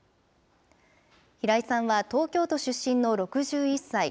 平井さんは東京出身の６１歳。